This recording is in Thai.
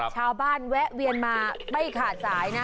ชาวบ้านแวะเวียนมาใบขาดสายนะ